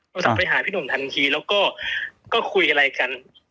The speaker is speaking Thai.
โทรศัพท์ไปหาพี่หนุ่มทันทีแล้วก็คุยกันอะไรกัน